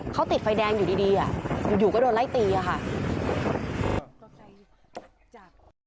เขาติดไฟแดงอยู่ดีอยู่ก็โดนไล่ตีอะค่ะ